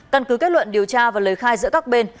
căn cứ kết luận điều tra và lời khai giữa các bên